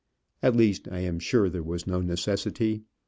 At least, I am sure there was no necessity.